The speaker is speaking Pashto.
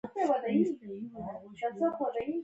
له میلاد څخه تر لس زره کاله مخکې خلک لیرې ټاپوګانو ته ورسیدل.